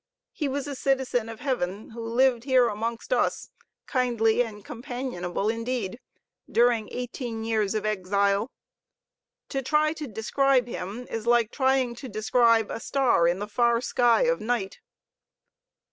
He was a citizen of heaven, who lived here amongst us, kindly and companionable indeed, during eighteen years of exile. To try to describe him is like trying to describe a star in the far sky of night.